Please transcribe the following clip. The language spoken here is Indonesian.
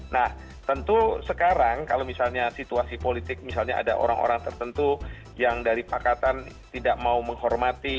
nah tentu sekarang kalau misalnya situasi politik misalnya ada orang orang tertentu yang dari pakatan tidak mau menghormati